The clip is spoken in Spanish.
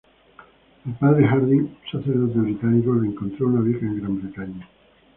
El padre Harding, un sacerdote británico, le encontró una beca en Gran Bretaña.